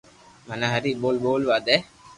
مني ھري ٻول ٻولوا دي